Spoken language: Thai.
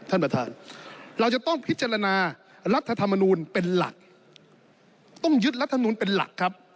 ท่านประธานเราจะต้องพิจารณารัฐธรรมนูลเป็นหลักต้องยึดรัฐมนูลเป็นหลักครับ